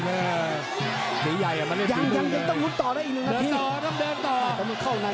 เหนียยไม่ได้มึงเลย